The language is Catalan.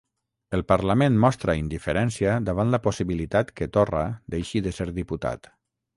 El parlament mostra indiferència davant la possibilitat que Torra deixi de ser diputat